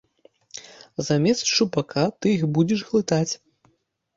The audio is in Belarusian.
Замест шчупака ты іх будзеш глытаць.